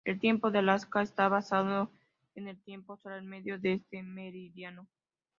El tiempo de Alaska está basado en el tiempo solar medio de este meridiano.